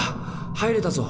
入れたぞ！